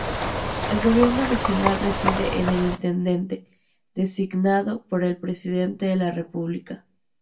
El gobierno regional reside en el Intendente, designado por el Presidente de la República.